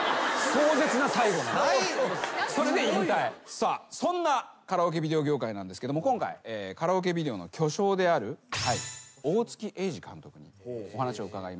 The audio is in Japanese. さあカラオケビデオ業界なんですけども今回カラオケビデオの巨匠である大月栄治監督にお話をうかがいました。